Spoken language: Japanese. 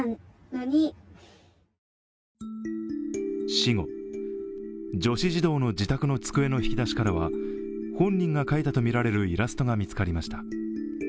死後、女子児童の自宅の机の引き出しからは本人が書いたとみられるイラストが見つかりました。